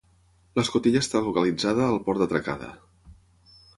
L'escotilla està localitzada al port d'atracada.